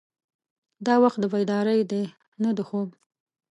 دا وخت د بیدارۍ دی نه د خوب.